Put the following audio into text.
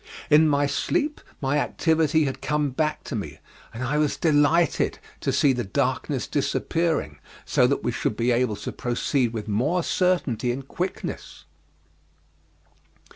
In my sleep my activity had come back to me, and I was delighted to see the darkness disappearing, so that we should be able to proceed with more certainty and quickness.